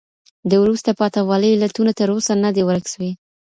د وروسته پاته والي علتونه تر اوسه نه دي ورک سوي.